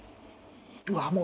うわもう。